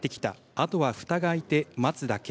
あとはふたが開いて待つだけ。